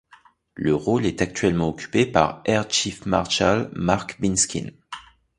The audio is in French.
Le rôle est actuellement occupé par Air Chief Marshal Mark Binskin.